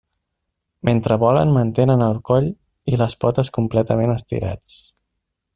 Mentre volen mantenen el coll i les potes completament estirats.